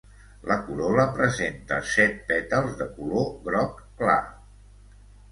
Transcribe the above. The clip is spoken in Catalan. La corol·la presenta set pètals de color groc clar.